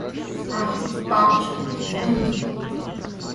Ах, папочка, ты тут.